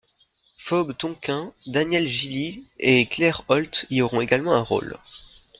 Phoebe Tonkin, Daniel Gillies et Claire Holt y auront également un rôle.